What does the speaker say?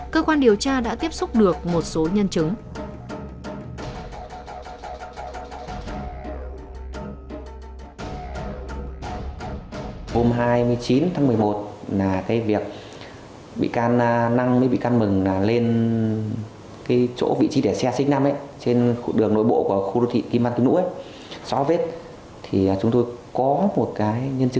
cơ quan điều tra công an nhận thấy có nhiều dấu hiệu liên quan đến một vụ án hình sự